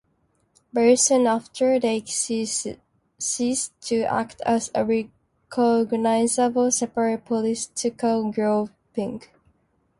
Very soon after they ceased to act as a recognisable separate political grouping.